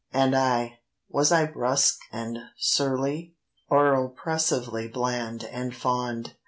And I—was I brusque and surly? Or oppressively bland and fond?